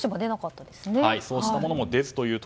そうしたものも出ずと。